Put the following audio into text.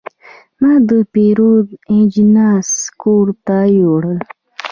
ما د پیرود اجناس کور ته یوړل.